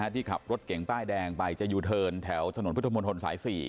ที่ขับรถเก่งป้ายแดงไปจะยูเทิร์นแถวถนนพุทธมนตรสาย๔